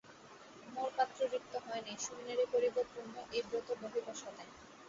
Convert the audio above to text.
মোর পাত্র রিক্ত হয় নাই-- শূন্যেরে করিব পূর্ণ, এই ব্রত বহিব সদাই।